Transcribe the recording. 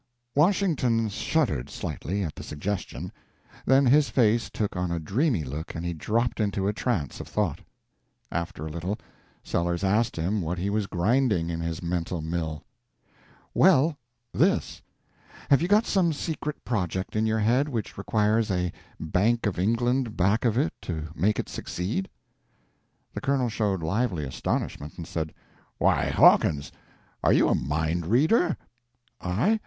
Washington shuddered slightly at the suggestion, then his face took on a dreamy look and he dropped into a trance of thought. After a little, Sellers asked him what he was grinding in his mental mill. "Well, this. Have you got some secret project in your head which requires a Bank of England back of it to make it succeed?" p184.jpg (28K) The Colonel showed lively astonishment, and said: "Why, Hawkins, are you a mind reader?" "I?